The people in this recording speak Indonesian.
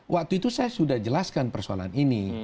waktu itu saya sudah jelaskan persoalan ini